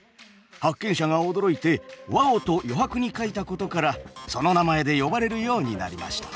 発見者が驚いて「Ｗｏｗ！」と余白に書いたことからその名前で呼ばれるようになりました。